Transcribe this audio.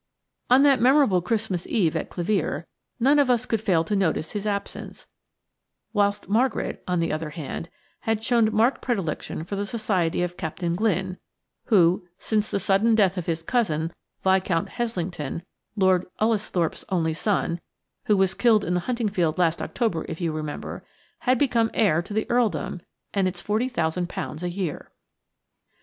On that memorable Christmas Eve at Clevere none of us could fail to notice his absence; whilst Margaret, on the other hand, had shown marked predilection for the society of Captain Glynne, who, since the sudden death of his cousin, Viscount Heslington, Lord Ullesthorpe's only son (who was killed in the hunting field last October, if you remember), had become heir to the earldom and its £40,000 a year.